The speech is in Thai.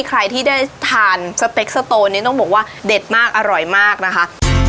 ใครที่ได้ทานสเต็กสโตนนี้ต้องบอกว่าเด็ดมากอร่อยมากนะคะ